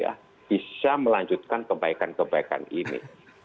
bisa melanjutkan kebaikan kebaikan ini